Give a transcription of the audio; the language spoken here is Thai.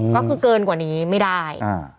ก็คือเกินกว่านี้ไม่ได้